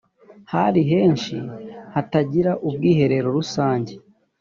hari henshi hatagira ubwiherero rusange